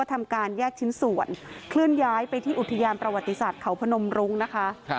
ทำการแยกชิ้นส่วนเคลื่อนย้ายไปที่อุทยานประวัติศาสตร์เขาพนมรุ้งนะคะ